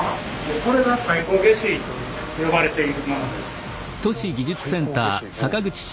これが「太閤下水」と呼ばれているものです。